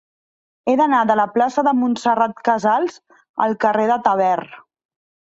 He d'anar de la plaça de Montserrat Casals al carrer de Tavern.